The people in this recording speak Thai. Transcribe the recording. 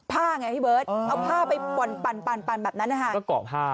ไงพี่เบิร์ตเอาผ้าไปปั่นแบบนั้นนะฮะก็เกาะผ้า